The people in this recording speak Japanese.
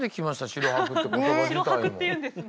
「城泊」って言うんですね。